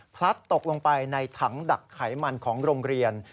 พลัดตกลงไปในถังดักไขมันของโรงเรียน